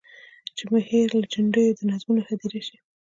چي مي هېره له جنډیو د نظمونو هدیره سي.